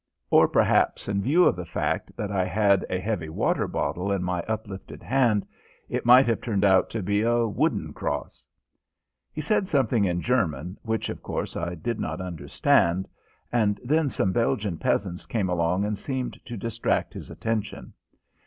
Or perhaps, in view of the fact that I had a heavy water bottle in my uplifted hand, it might have turned out to be a wooden cross! He said something in German, which, of course, I did not understand, and then some Belgian peasants came along and seemed to distract his attention.